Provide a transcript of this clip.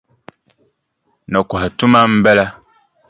Nakɔha tuma m-bala.